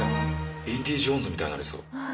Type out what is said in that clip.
「インディ・ジョーンズ」みたいになりそう。